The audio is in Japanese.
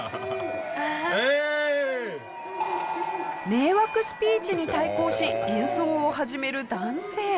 迷惑スピーチに対抗し演奏を始める男性。